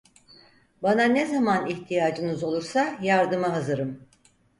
Bana ne zaman ihtiyacınız olursa yardıma hazırım…